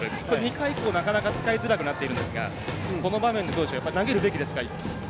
２回以降、なかなか使いづらくなっているんですがこの場面、投げるべきですか？